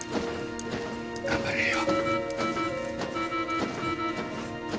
頑張れるよ。